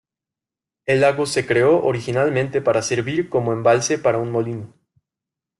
El lago se creó originalmente para servir como embalse para un molino.